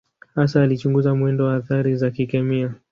Hasa alichunguza mwendo wa athari za kikemia.